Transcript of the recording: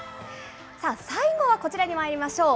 さあ、最後はこちらにまいりましょう。